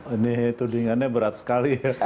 ini tudingannya berat sekali